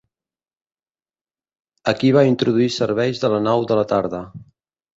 Aquí va introduir serveis de la nau de la tarda.